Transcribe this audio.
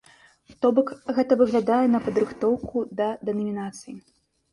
То бок, гэта выглядае на падрыхтоўку да дэнамінацыі.